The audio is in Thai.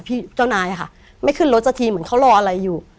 เจ้านายค่ะไม่ขึ้นรถสักทีเหมือนเขารออะไรอยู่